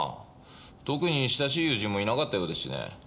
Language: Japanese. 特に親しい友人もいなかったようですしね。